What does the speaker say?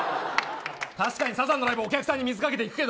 確かにサザンのライブはお客さんに水かけていくけど。